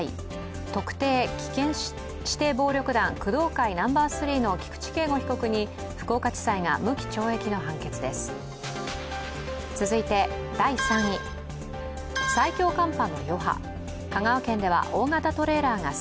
特定危険指定暴力団、工藤会ナンバー３の菊地敬吾被告に福岡地裁が無期懲役の判決です。